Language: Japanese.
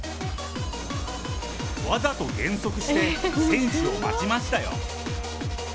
わざと減速して、選手を待ちましたよ。